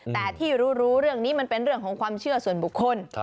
แต่ที่รู้เรื่องนี้มันเป็นเรื่องของความเชื่อส่วนบุคคล